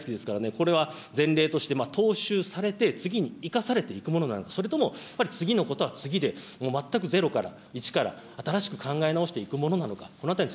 これは前例として踏襲されて、次に生かされていくものなのか、それとも、やっぱり次のことは次で、もう全くゼロから、一から新しく考え直していくものなのか。